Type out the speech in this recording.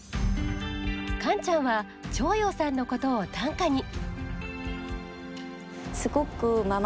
カンちゃんは趙洋さんのことを短歌に。